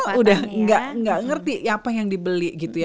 tidak mengerti apa yang dibeli